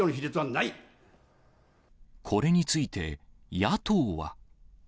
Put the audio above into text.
これについて、野党は。